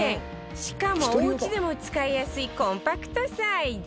しかもおうちでも使いやすいコンパクトサイズ